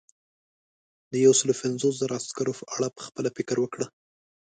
د یو سلو پنځوس زرو عسکرو په اړه پخپله فکر وکړه.